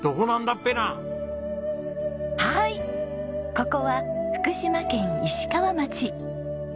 ここは福島県石川町。